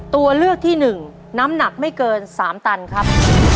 ตัวเลือกที่๑น้ำหนักไม่เกิน๓ตันครับ